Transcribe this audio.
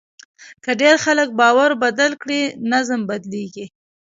که ډېر خلک باور بدل کړي، نظم بدلېږي.